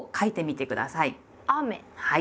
はい。